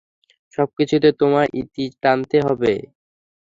সবকিছুতে তোমায় ইতি টানতে হবে।